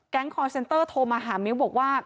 แก๊งคอนเซนเตอร์โทรมาหามิ้วบอกว่า